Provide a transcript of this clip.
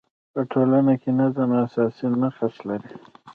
په ټولنه کي نظم اساسي نقش لري.